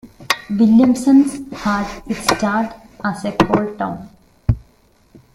Williamson had its start as a coal town.